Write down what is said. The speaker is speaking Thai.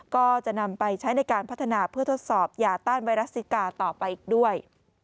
ก็จะนำไปใช้ในการพัฒนาเพื่อทดสอบยาต้านไวรัสซิกาต่อไปอีกด้วย